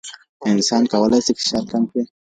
انسان کولی شي فشار کم کړي.